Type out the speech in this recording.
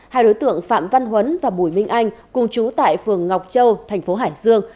hai đối tượng phạm văn huấn và bùi minh anh cùng chú tại phường ngọc châu thành phố hải dương